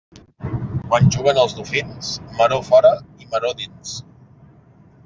Quan juguen els dofins, maror fora i maror dins.